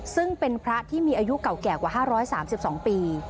ซึ่งเป็นพระที่มีอายุเก่าแก่กว่า๕๓๒ปี